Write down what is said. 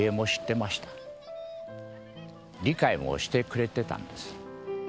理解もしてくれてたんです。